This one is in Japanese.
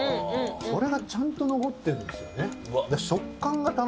それがちゃんと残ってるんですよね。